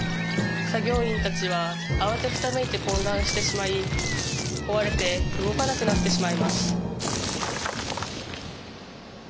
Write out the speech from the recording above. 作業員たちは慌てふためいて混乱してしまい壊れて動かなくなってしまいます